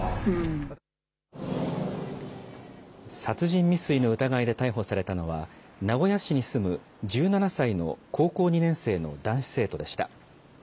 殺人未遂の疑いで逮捕されたのは、名古屋市に住む１７歳の高校２年生の男子生徒でした。